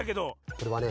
これはね